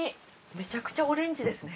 めちゃくちゃオレンジですね。